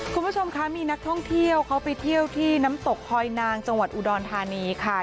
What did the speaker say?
คุณผู้ชมคะมีนักท่องเที่ยวเขาไปเที่ยวที่น้ำตกคอยนางจังหวัดอุดรธานีค่ะ